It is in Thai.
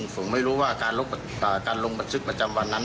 ผมไม่รู้ว่าการลงบันทึกประจำวันนั้น